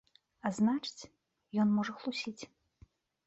А значыць, ён можа хлусіць.